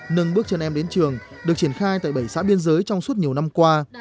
nâng bước cho em đến trường được triển khai tại bảy xã biên giới trong suốt nhiều năm qua